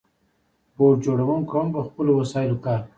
بوټ جوړونکو هم په خپلو وسایلو کار کاوه.